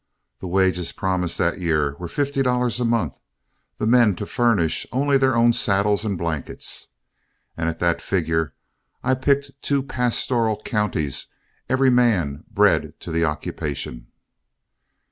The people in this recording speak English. The wages promised that year were fifty dollars a month, the men to furnish only their own saddles and blankets, and at that figure I picked two pastoral counties, every man bred to the occupation.